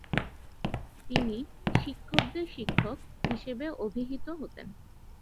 তিনি 'শিক্ষকদের শিক্ষক' হিসেবে অভিহিত হতেন।